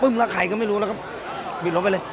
ปึ่งละใครก็ไม่รู้นะครับก็บิดลงไปเลย